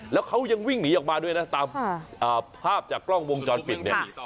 แล้วเขายังวิ่งหนีออกมาด้วยนะตามภาพจากกล้องวงจรปิดเนี่ย